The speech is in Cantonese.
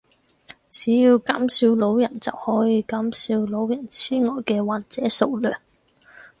只要減少老人就可以減少老年癡呆嘅患者數量